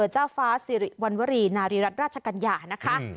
เจ้าฟ้าสิริวัณวรีนารีรัฐราชกัญญานะคะ